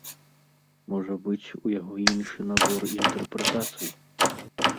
Можа быць, у яго іншы набор інтэрпрэтацый.